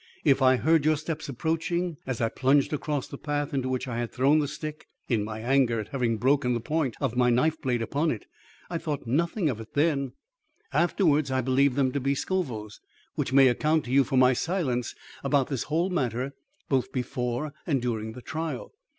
If I heard your steps approaching as I plunged across the path into which I had thrown the stick in my anger at having broken the point of my knife blade upon it, I thought nothing of them then. Afterwards I believed them to be Scoville's, which may account to you for my silence about this whole matter both before and during the trial.